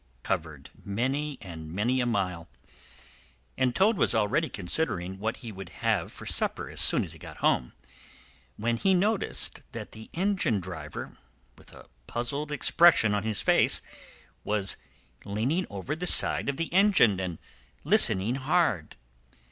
They had covered many and many a mile, and Toad was already considering what he would have for supper as soon as he got home, when he noticed that the engine driver, with a puzzled expression on his face, was leaning over the side of the engine and listening hard.